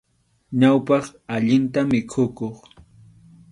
Ñawpaq, allinta mikhukuq.